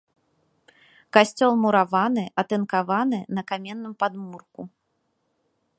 Касцёл мураваны, атынкаваны, на каменным падмурку.